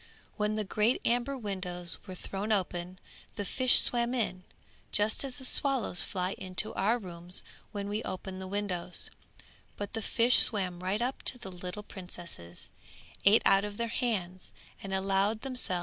When the great amber windows were thrown open the fish swam in, just as the swallows fly into our rooms when we open the windows, but the fish swam right up to the little princesses, ate out of their hands, and allowed themselves to be patted.